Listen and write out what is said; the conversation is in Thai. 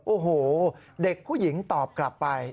โอ้โหเด็กผู้หญิงตอบกลับไป